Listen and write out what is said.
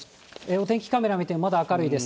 お天気カメラ見て、まだ明るいです。